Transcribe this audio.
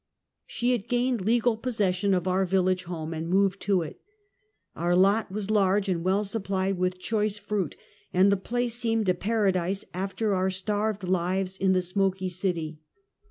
She had gained legal possession of our village home, and moved to it. Our lot was large and well supplied with choice fruit, and the place seemed a paradise af ter our starved lives in the smoky city.